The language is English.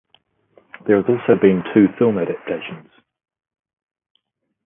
There have also been two film adaptations.